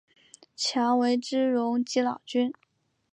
强为之容即老君。